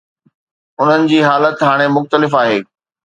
انهن جي حالت هاڻي مختلف آهي.